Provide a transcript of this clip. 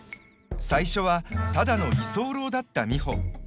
最初はただの居候だった美穂。